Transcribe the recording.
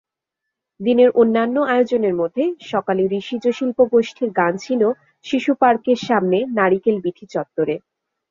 দিনের অন্যান্য আয়োজনের মধ্যে সকালে ঋষিজ শিল্পীগোষ্ঠীর গান ছিল শিশুপার্কের সামনে নারিকেলবীথি চত্বরে।